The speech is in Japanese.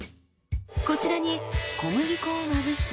こちらに小麦粉をまぶし。